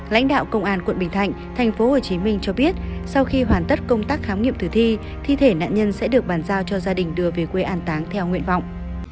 lãnh đạo công an tp hcm cho biết sau khi hoàn tất công tác khám nghiệm từ thi thi thể nạn nhân sẽ được bàn giao cho gia đình đưa về quê an táng theo nguyện vọng